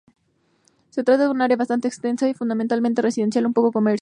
Se trata de un área bastante extensa y fundamentalmente residencial con poco comercio.